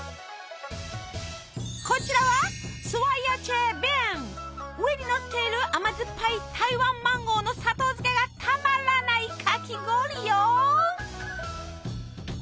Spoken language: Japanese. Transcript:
こちらは上にのっている甘酸っぱい台湾マンゴーの砂糖漬けがたまらないかき氷よ！